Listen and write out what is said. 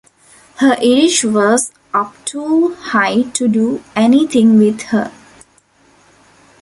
Her Irish was up too high to do any thing with her.